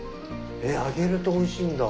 えっ揚げるとおいしいんだ。